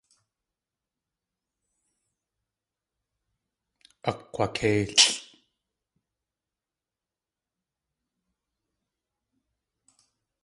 Akg̲wakéilʼ.